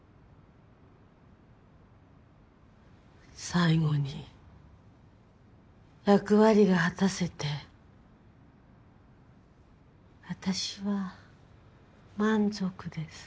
最後に役割が果たせて私は満足です。